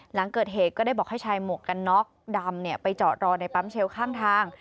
หลังเกิดเหตุก็ได้บอกให้ชายหมวกกันน็อกดำไปจอดรอในปั๊มเชลข้างทาง